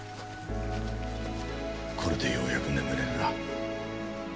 これでようやく眠れるな。